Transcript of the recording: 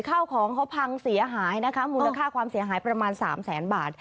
ข้าวของเขาพังเสียหายนะคะมูลค่าความเสียหายประมาณ๓แสนบาท